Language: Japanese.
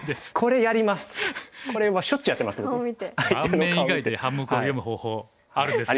盤面以外で半目を読む方法あるんですね。